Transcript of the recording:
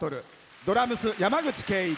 ドラムス、山口圭一。